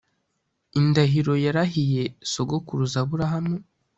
Indahiro yarahiye sogokuruza Aburahamu